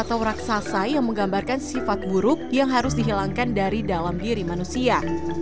ogo ogo merupakan simbol buta kala atau raksasa yang menggambarkan sifat buruk yang harus dihilangkan dari dalam diri manusia